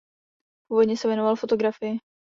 Původně se věnoval fotografii.